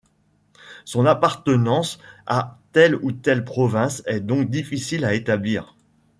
Son appartenance à telle ou telle province est donc difficile à établir.